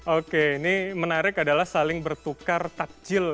oke ini menarik adalah saling bertukar takjil